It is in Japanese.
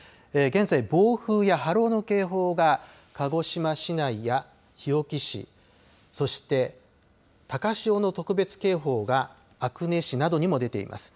現在、暴風や波浪の警報が鹿児島市内や日置市、そして高潮の特別警報が阿久根市などにも出ています。